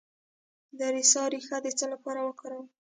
د اریسا ریښه د څه لپاره وکاروم؟